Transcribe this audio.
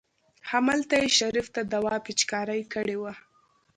همالته يې شريف ته دوا پېچکاري کړې وه.